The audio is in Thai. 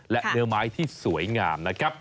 และเนื้อไม้ที่สวยงาม